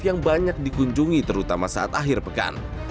yang banyak dikunjungi terutama saat akhir pekan